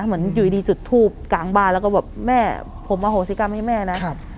เหมือนอยู่ดีจุดทูบกลางบ้านแล้วก็แบบแม่ผมอโหสิกรรมให้แม่นะครับ